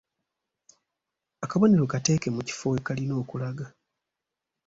Akabonero kateeke mu kifo we kalina okulaga.